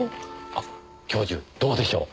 あっ教授どうでしょう。